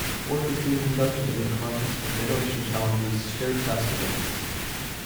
Work is being conducted in the context of Generation Challenges shared-task events.